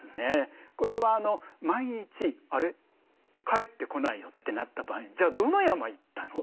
帰ってこないよってなった場合にじゃあどの山行ったの？